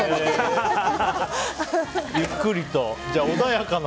ゆっくりと。